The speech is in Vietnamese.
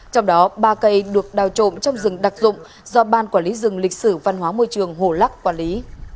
trong đó ba cây được đào trộm trong rừng đặc dụng do ban quản lý rừng lịch sử văn hóa môi trường hồ lắc quản lý